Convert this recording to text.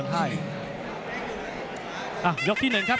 นักมวยจอมคำหวังเว่เลยนะครับ